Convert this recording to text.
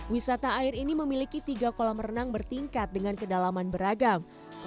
wisata air ini memiliki tiga kolam renang bertingkat dengan kedalaman beragam